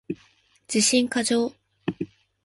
自信過剰